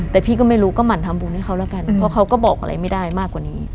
แต่พี่ก็ไม่รู้ก็หมั่นทำบุญให้เขาแล้วกันเพราะเขาก็บอกอะไรไม่ได้มากกว่านี้